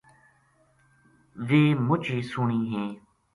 ویہ مُچ ہی سوہنی ہیں